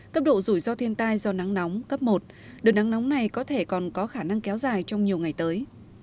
cấp độ rủi ro thiên tai do nắng nóng cấp một đợt nắng nóng này có thể còn có khả năng kéo dài trong nhiều ngày tới